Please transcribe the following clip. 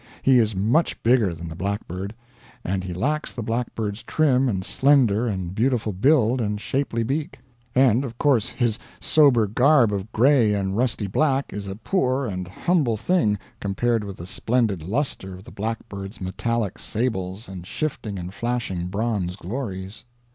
He is much bigger than the blackbird; and he lacks the blackbird's trim and slender and beautiful build and shapely beak; and of course his sober garb of gray and rusty black is a poor and humble thing compared with the splendid lustre of the blackbird's metallic sables and shifting and flashing bronze glories.